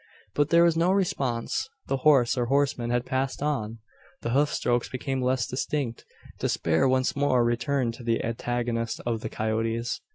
But there was no response. The horse, or horseman, had passed on. The hoof strokes became less distinct. Despair once more returned to the antagonist of the coyotes.